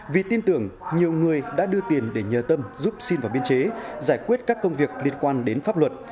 vì tin tưởng nhiều người đã đưa tiền để nhờ tâm giúp xin vào biên chế giải quyết các công việc liên quan đến pháp luật